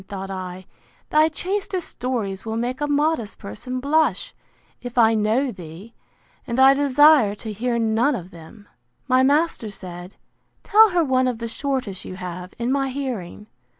thought I; thy chastest stories will make a modest person blush, if I know thee! and I desire to hear none of them. My master said, Tell her one of the shortest you have, in my hearing.